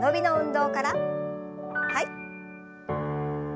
はい。